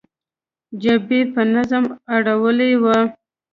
جبیر په نظم اړولې وه.